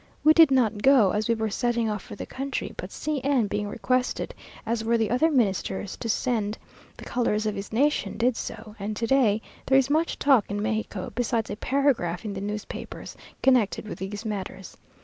We did not go, as we were setting off for the country, but C n being requested, as were the other Ministers, to send the colours of his nation, did so, and to day there is much talk in Mexico, besides a paragraph in the newspapers, connected with these matters.